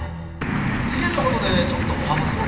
事件のことでちょっとお話を。